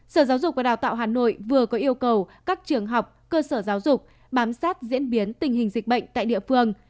sở giáo dục và đào tạo hà nội vừa có yêu cầu các trường học cơ sở giáo dục bám sát diễn biến tình hình dịch bệnh tại địa phương